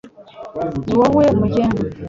ni wowe mugenga